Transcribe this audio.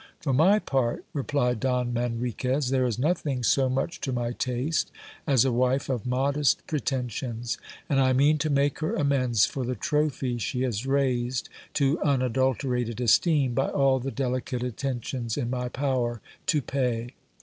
For my part, replied Don Manriquez, there is nothing so much to my taste as a wife of modest pretensions; and I mean to make her amends for the trophy she has raised to unadulterated esteem, by all the deli cate attentions in my power to pay.